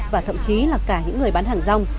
và thậm chí là cả những người bán hàng rong